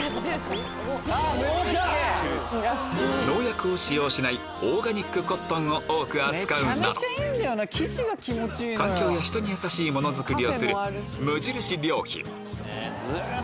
農薬を使用しないオーガニックコットンを多く扱うなど環境や人に優しいものづくりをする無印良品